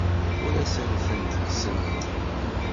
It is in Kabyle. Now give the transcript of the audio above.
Ad asent-tent-kksent?